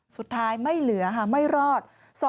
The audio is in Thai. สุดท้ายไม่เหลือค่ะไม่รอด